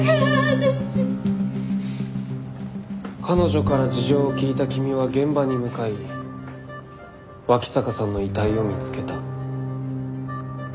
彼女から事情を聴いた君は現場に向かい脇坂さんの遺体を見つけた。